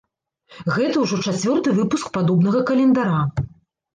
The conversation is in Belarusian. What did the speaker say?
Гэта ўжо чацвёрты выпуск падобнага календара.